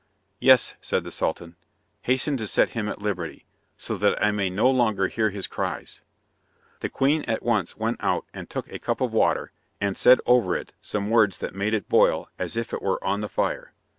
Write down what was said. "Yes," said the Sultan; "hasten to set him at liberty, so that I may no longer hear his cries." The queen at once went out and took a cup of water, and said over it some words that made it boil as if it were on the fire.